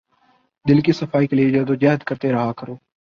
دل کی صفائی کے لیے جد و جہد کرتے رہا کرو۔